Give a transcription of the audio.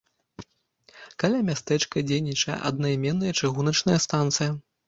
Каля мястэчка дзейнічае аднайменная чыгуначная станцыя.